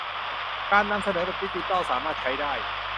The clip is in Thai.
การนำเสนอแบบดิจิทัลสามารถใช้ได้